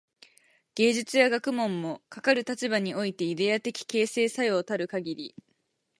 芸術や学問も、かかる立場においてイデヤ的形成作用たるかぎり、